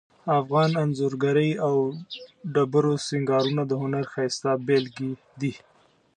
افغان انځورګری او ډبرو سنګارونه د هنر ښایسته بیلګې دي